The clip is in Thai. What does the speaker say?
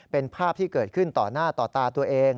เป็นภาพที่เกิดขึ้นต่อหน้าต่อตาตัวเอง